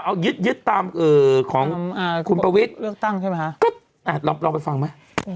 เอายึดยึดตามเอ่อของอ่าคุณประวิทย์เลือกตั้งใช่ไหมฮะ